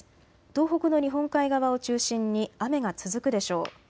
東北の日本海側を中心に雨が続くでしょう。